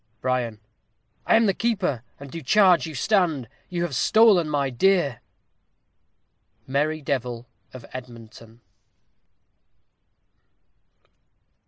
Bri. I am the keeper, and do charge you stand. You have stolen my deer. _Merry Devil of Edmonton.